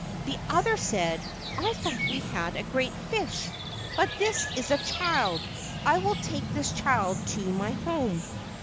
The other said: "I thought we had a great fish, but this is a child. I will take this child to my home."